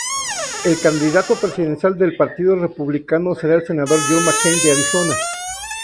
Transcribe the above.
El candidato presidencial del partido Republicano será el senador John McCain de Arizona.